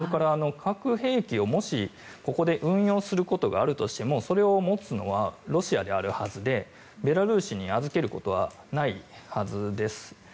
それから核兵器を、もしここで運用することがあるとしてもそれを持つのはロシアであるはずでベラルーシに預けることはないはずです。